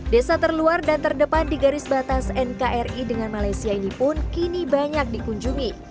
desa terluar dan terdepan di garis batas nkri dengan malaysia ini pun kini banyak dikunjungi